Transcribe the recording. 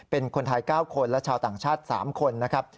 เป็นคนไทย๙คนและชาวต่างชาติ๓คนนะครับ